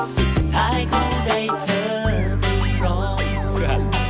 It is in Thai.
สุดท้ายเขาได้เธอไปครอง